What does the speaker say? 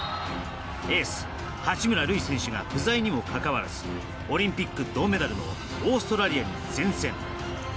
エース、八村塁選手が不在にもかかわらずオリンピック銅メダルのオーストラリアに善戦。